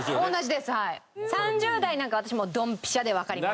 ３０代なんかは私もうドンピシャでわかります。